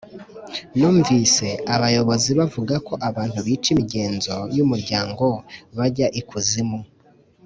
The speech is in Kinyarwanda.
numvise abayobozi bavuga ko abantu bica imigenzo y’umuryango bajya ikuzimu